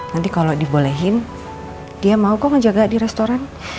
nanti kalau dibolehin dia mau kok ngejaga di restoran